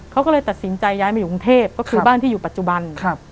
เขาก็เลยตัดสินใจย้ายมาอยู่กรุงเทพก็คือบ้านที่อยู่ปัจจุบัน